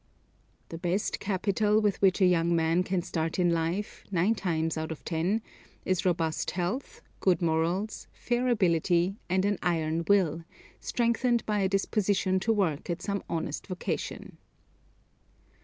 The best capital with which a young man can start in life, nine times out of ten, is robust health, good morals, fair ability and an iron will, strengthened by a disposition to work at some honest vocation.